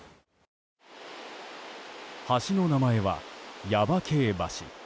橋の名前は耶馬渓橋。